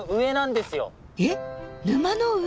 えっ沼の上？